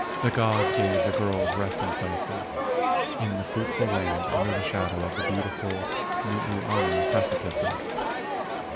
The gods gave the girls resting places in the fruitful lands under the shadow of the beautiful Nuuanu precipices.